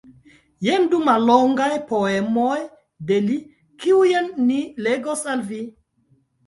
Jen du mallongaj poemoj de li, kiujn li legos al vi.